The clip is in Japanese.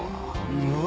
うわ！